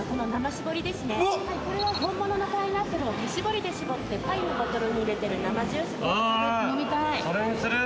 これは本物のパイナップルを手搾りで搾ってパインのボトルに入れてる生ジュース。